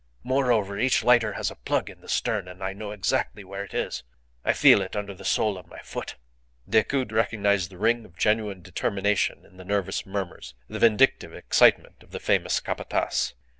Moreover, each lighter has a plug in the stern, and I know exactly where it is. I feel it under the sole of my foot." Decoud recognized the ring of genuine determination in the nervous murmurs, the vindictive excitement of the famous Capataz.